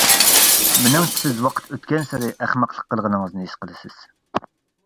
مېنىڭچە سىز ۋاقىت ئۆتكەنسېرى ئەخمەقلىق قىلغىنىڭىزنى ھېس قىلىسىز.